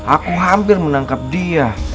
aku hampir menangkap dia